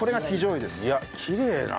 いやきれいだ。